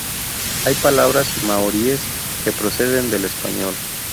Hay palabras maoríes que proceden del español.